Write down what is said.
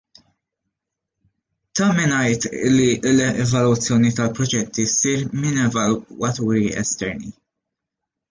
Ta' min igħid illi l-evalwazzjoni tal-proġetti ssir minn evalwaturi esterni.